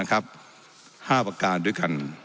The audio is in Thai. ๕ประการด้วยกัน